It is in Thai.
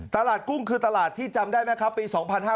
กุ้งคือตลาดที่จำได้ไหมครับปี๒๕๕๙